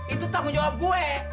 itu tanggung jawab gue